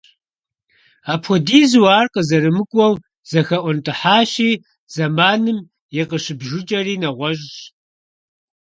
Апхуэдизу ар къызэрымыкIуэу зэхэIуэнтIыхьащи, зэманым и къыщыбжыкIэри нэгъуэщIщ.